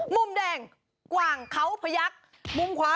มุมแดงกว่างเขาพยักษ์มุมขวา